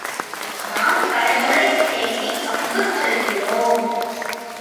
நாம் கடைகளைத் தேடி அங்குச் செல்கிறோம்.